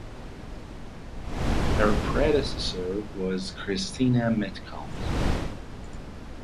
Her predecessor was Christina Metcalf.